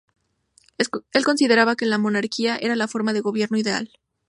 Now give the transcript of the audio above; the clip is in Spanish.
Él consideraba que la monarquía era la forma de gobierno ideal.